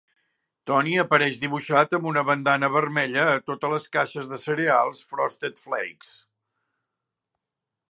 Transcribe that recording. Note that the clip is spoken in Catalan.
Tony apareix dibuixat amb una bandana vermella a totes les caixes de cereals Frosted Flakes.